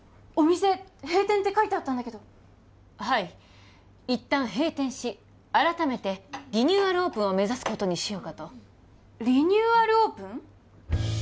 お店閉店って書いてあったんだけどはい一旦閉店し改めてリニューアルオープンを目指すことにしようかとリニューアルオープン？